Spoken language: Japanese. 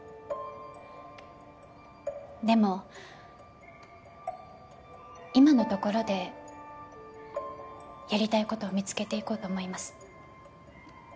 でも今のところでやりたい事を見つけていこうと思います。